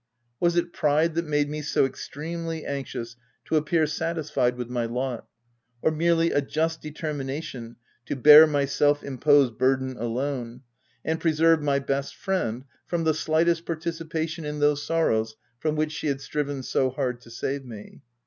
Was it pride that made me so extremely anxious to appear satisfied with my lot, — or merely a just deter mination to bear my self imposed burden alone, and preserve my best friend from the slightest participation in those sorrows from which she had striven so hard to save me